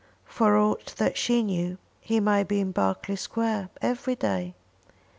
For aught that she knew, he might be in Berkeley Square every day.